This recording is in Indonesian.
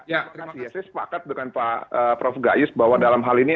ya terima kasih saya sepakat dengan prof gayus bahwa dalam hal ini